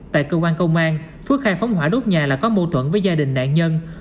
tại cơ quan công an phước khai phóng hỏa đốt nhà là có mâu thuẫn với gia đình nạn nhân